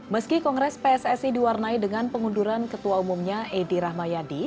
meski kongres pssi diwarnai dengan pengunduran ketua umumnya edi rahmayadi